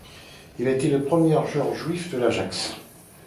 Il a été le premier joueur juif de l'Ajax.